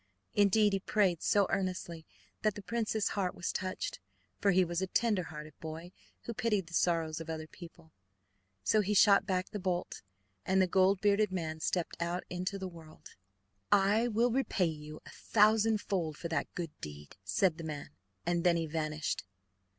Indeed, he prayed so earnestly that the prince's heart was touched, for he was a tender hearted boy who pitied the sorrows of other people. So he shot back the bolt, and the gold bearded man stepped out into the world. "I will repay you a thousand fold for that good deed." said the man, and then he vanished.